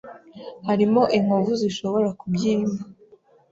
harimo inkovu zishobora kubyimba